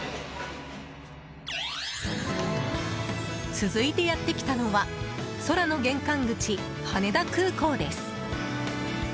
続いてやってきたのは空の玄関口、羽田空港です。